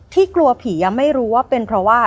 กลัวผีไม่รู้ว่าเป็นเพราะว่า